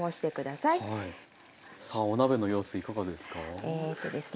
さあお鍋の様子いかがですか？